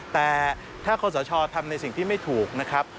แต่ถ้าคอสชทำในสิ่งที่ไม่ถูกนะครับ